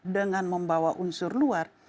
dengan membawa unsur luar